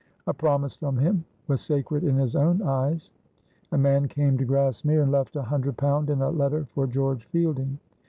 A promise from him was sacred in his own eyes. A man came to Grassmere and left a hundred pound in a letter for George Fielding.